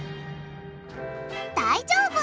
大丈夫！